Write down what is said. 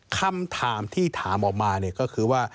คำถามที่ถามออกมาเนี่ยก็คือว่า